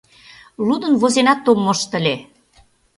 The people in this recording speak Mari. Лудын-возенат ом мошто ыле.